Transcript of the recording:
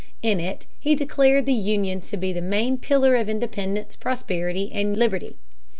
In it he declared the Union to be the main pillar of independence, prosperity, and liberty.